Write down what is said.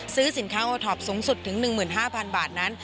ซื้อสินค้าโอท็อปสูงสุดถึง๑๕๐๐๐บาทนั้น